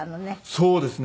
そうですね。